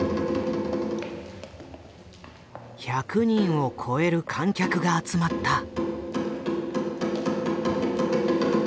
１００人を超える観客が集まった。